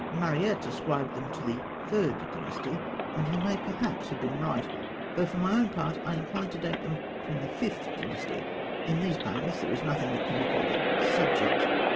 Mariette ascribed them to the Third Dynasty, and he may perhaps have been right; though for my own part I incline to date them from the Fifth Dynasty. In these panels there is nothing that can be called a "subject."